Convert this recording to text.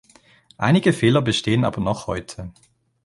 Einige Fehler bestehen aber noch heute.